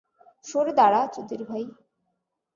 সরে দাঁড়া, চুদিরভাই!